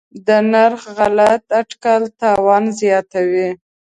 د نرخ غلط اټکل تاوان زیاتوي.